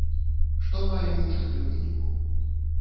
Што маем у чыстым выніку?